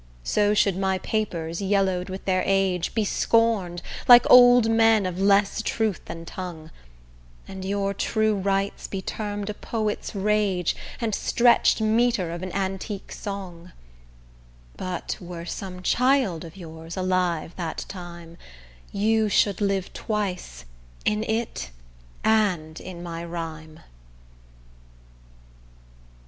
So should my papers, yellow'd with their age, Be scorn'd, like old men of less truth than tongue, And your true rights be term'd a poet's rage And stretched metre of an antique song: But were some child of yours alive that time, You should live twice,—in it, and in my rhyme.